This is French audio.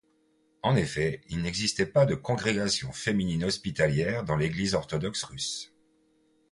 En effet, il n'existait pas de congrégation féminine hospitalière dans l'Église orthodoxe russe.